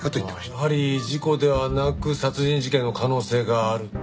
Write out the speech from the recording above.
やはり事故ではなく殺人事件の可能性があると。